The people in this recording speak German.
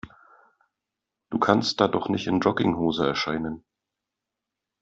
Du kannst da doch nicht in Jogginghose erscheinen.